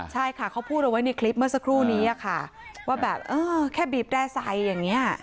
ใช่ค่ะเขาพูดเอาไว้ในคลิปเมื่อสักครู่นี้ค่ะว่าแบบเออแค่บีบแร่ใส่อย่างนี้